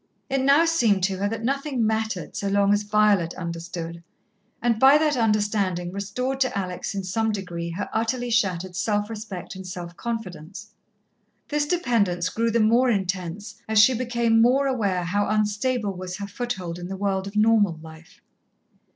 It now seemed to her that nothing mattered so long as Violet understood, and by that understanding restored to Alex in some degree her utterly shattered self respect and self confidence. This dependence grew the more intense, as she became more aware how unstable was her foothold in the world of normal life.